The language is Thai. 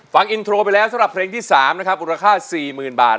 ฟังอินโทรไปแล้วสำหรับเพลงที่๓นะครับมูลค่า๔๐๐๐บาท